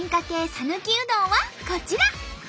さぬきうどんはこちら。